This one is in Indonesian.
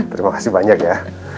terima kasih banyak ya